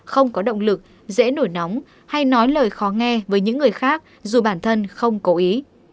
không có động lực dễ nổi nóng hay nói lời khó nghe với những người khác dù bản thân không cố ý